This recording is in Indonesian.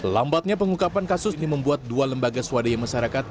lambatnya pengungkapan kasus ini membuat dua lembaga swadaya masyarakat